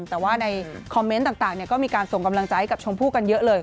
แต่ว่าในคอมเมนต์ต่างก็มีการส่งกำลังใจให้กับชมพู่กันเยอะเลย